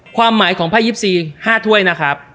ความหมายของไพ่๒๔๕ถ้วยนะครับ